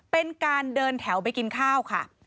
เป็นการเดินแถวไปกินข้าวค่ะ